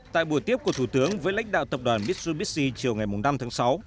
tại buổi tiếp của thủ tướng với lãnh đạo tập đoàn mitsubissi chiều ngày năm tháng sáu